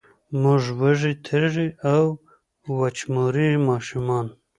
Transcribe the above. موږ وږې، تږې او، وچموري ماشومان